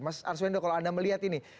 mas arswendo kalau anda melihat ini